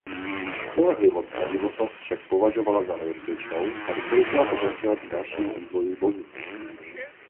Spolehlivost a životnost však považovala za nedostatečnou a doporučila pokračovat v dalším vývoji vozu.